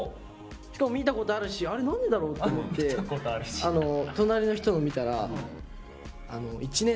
しかも見たことあるし「あれ？何でだろう」って思って隣の人を見たらえ？